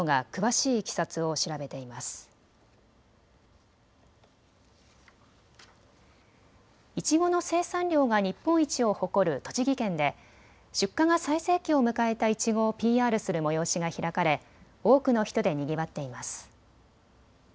いちごの生産量が日本一を誇る栃木県で出荷が最盛期を迎えたいちごをＰＲする催しが開かれ多くの人でにぎわっています。